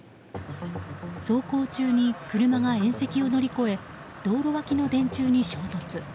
走行中に車が縁石を乗り越え道路脇の電柱に衝突。